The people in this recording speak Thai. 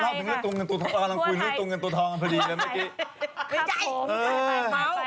ถึงเรื่องตัวเงินตัวทองเรากำลังคุยเรื่องตัวเงินตัวทองกันพอดีเลยเมื่อกี้